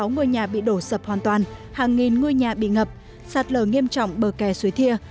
bốn mươi sáu ngôi nhà bị đổ sập hoàn toàn hàng nghìn ngôi nhà bị ngập sạt lở nghiêm trọng bờ kè suối thiê